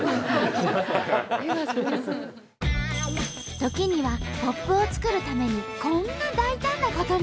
時にはポップを作るためにこんな大胆なことも。